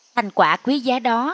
thành quả quý giá đó